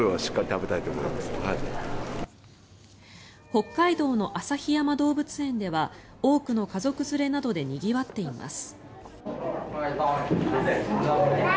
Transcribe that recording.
北海道の旭山動物園では多くの家族連れなどでにぎわっています。